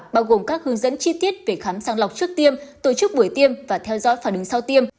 bao gồm các hướng dẫn chi tiết về khám sàng lọc trước tiêm tổ chức buổi tiêm và theo dõi phản ứng sau tiêm